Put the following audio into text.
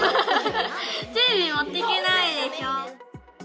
テレビ持っていけないでしょ。